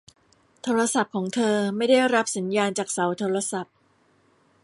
โทรศัพท์ของเธอไม่ได้รับสัญญาณจากเสาโทรศัพท์